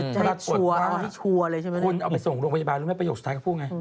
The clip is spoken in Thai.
แล้วกระโดดตึกปรับกฎว่าคุณเอาไปส่งโรงพยาบาลรู้ไหมประโยคสุดท้ายเขาพูดไง